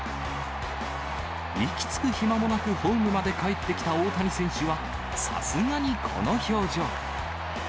息つく暇もなくホームまでかえってきた大谷選手は、さすがにこの表情。